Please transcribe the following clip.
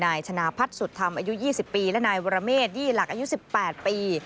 นายชนะพัฒน์สุดธรรมอายุ๒๐ปีและนายวรเมฆยี่หลักอายุ๑๘ปี